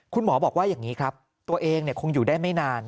คุณหมอบอกว่าอย่างนี้ครับตัวเองคงอยู่ได้ไม่นาน